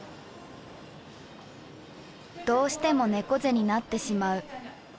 どうしても猫背になってしまう。